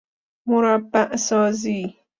مربع سازی